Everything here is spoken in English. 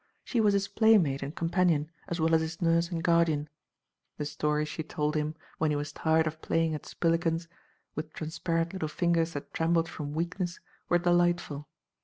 She was his playmate and companion, as well as his nurse and guardian. The stories she told him, when he was tired of playing at spilikins, with transparent little fingers that trem bled from weakness, were delightful.